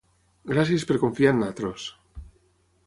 Gràcies per confiar en nosaltres!